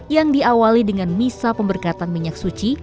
yang diawali dengan misa pemberkatan minyak suci